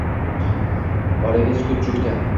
Oraga sukut choʼkdi.